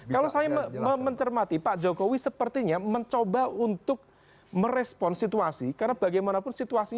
kalau saya mencermati pak jokowi sepertinya mencoba untuk merespon situasi